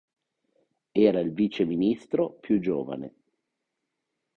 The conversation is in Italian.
Era il vice ministro più giovane.